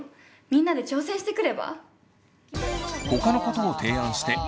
みんなで挑戦してくれば？